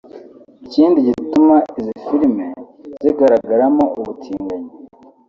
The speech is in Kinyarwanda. Ikindi gituma izi filime zigaragaramo ubutinganyi